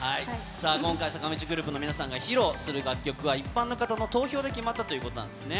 さあ、今回坂道グループの皆さんが披露する楽曲は、一般の方の投票で決まったということなんですよね。